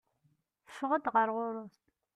Teffeɣ-d ɣer ɣur-s.